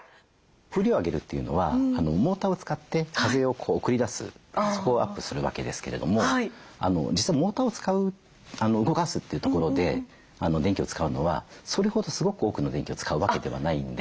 風量を上げるというのはモーターを使って風を送り出すそこをアップするわけですけれども実はモーターを使う動かすというところで電気を使うのはそれほどすごく多くの電気を使うわけではないんで。